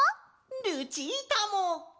ルチータも！